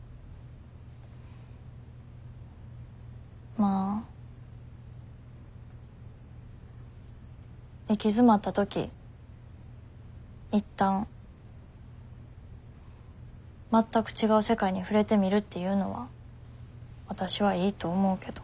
まあ行き詰まった時一旦全く違う世界に触れてみるっていうのはわたしはいいと思うけど。